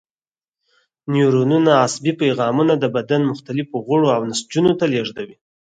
نیورونونه عصبي پیغامونه د بدن مختلفو غړو او نسجونو ته لېږدوي.